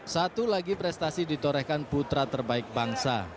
satu lagi prestasi ditorehkan putra terbaik bangsa